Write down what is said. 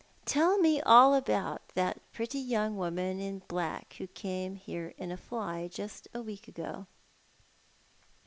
"Tell me all about that pretty young woman in black who came here in a fly just a week ago."